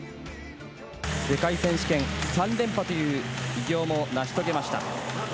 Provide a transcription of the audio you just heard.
世界選手権３連覇という偉業を成し遂げました。